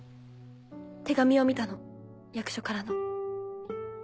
手紙を見たの役所からの。